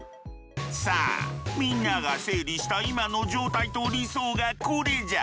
さあみんなが整理した今の状態と理想がこれじゃ。